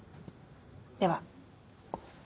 では。